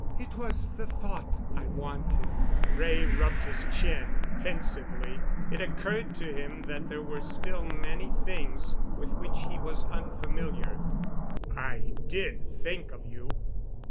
"It was the thought I wanted." Wray rubbed his chin pensively. It occurred to him that there were still many things with which he was unfamiliar. "I did think of you."